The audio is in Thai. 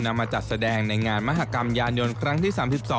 มาจัดแสดงในงานมหากรรมยานยนต์ครั้งที่๓๒